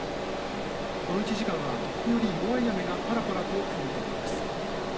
この１時間は時折、弱い雨がぱらぱらと降る程度です。